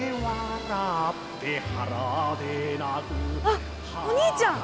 あっお兄ちゃん。